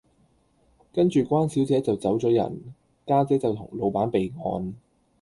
跟住關小姐就走左人，家姐就同老闆備案